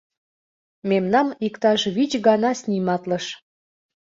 Мемнам иктаж вич гана сниматлыш.